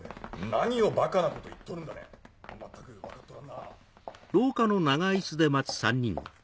何をバカなこと言っとるんだねまったく分かっとらんな。